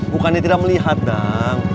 bukannya tidak melihat kang